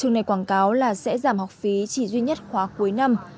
trường này quảng cáo là sẽ giảm học phí chỉ duy nhất khóa cuối năm